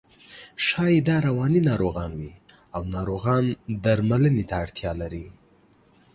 ښایي دا رواني ناروغان وي او ناروغ درملنې ته اړتیا لري.